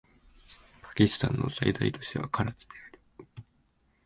パキスタンの最大都市はカラチである